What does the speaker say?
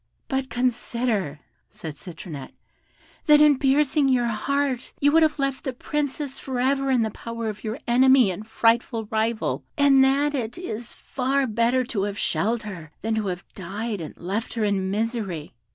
"But consider," said Citronette, "that in piercing your heart you would have left the Princess for ever in the power of your enemy and frightful rival, and that it is far better to have shelled her than to have died and left her in misery."